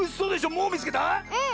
もうみつけた⁉うん！